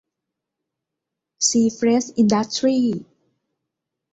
ซีเฟรชอินดัสตรี